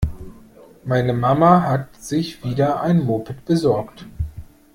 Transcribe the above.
Meine Mama hat sich wieder ein Moped besorgt.